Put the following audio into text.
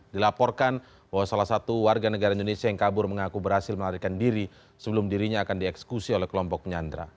dilaporkan bahwa salah satu warga negara indonesia yang kabur mengaku berhasil melarikan diri sebelum dirinya akan dieksekusi oleh kelompok penyandra